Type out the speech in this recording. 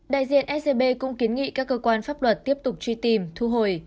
đại diện scb cũng kiến nghị các cơ quan pháp luật tiếp tục truy tìm thu hồi